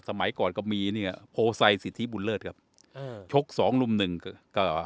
สมัยก่อนก็มีเนี้ยโพไซค์ศิษย์ธิบุญเลิศครับเอ่อโชกสองลมหนึ่งก็